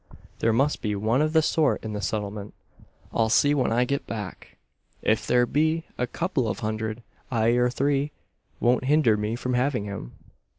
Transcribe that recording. "There must be one of the sort in the settlement. I'll see when I get back. If there be, a couple of hundred, ay or three, won't hinder me from having him."